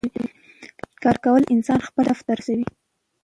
کار کول انسان خپل هدف ته رسوي